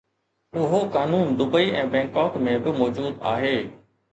اهو قانون Dubai ۽ Bangkok ۾ به موجود آهي.